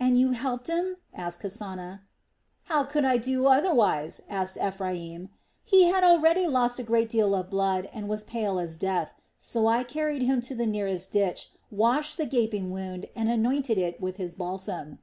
"And you helped him?" asked Kasana. "How could I do otherwise?" replied Ephraim. "He had already lost a great deal of blood and was pale as death. So I carried him to the nearest ditch, washed the gaping wound, and anointed it with his balsam."